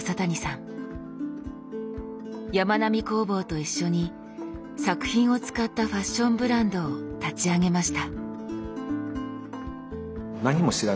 やまなみ工房と一緒に作品を使ったファッションブランドを立ち上げました。